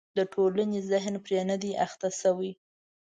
د ټولنې ذهن پرې نه دی اخته شوی.